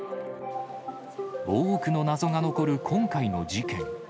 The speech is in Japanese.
多くの謎が残る今回の事件。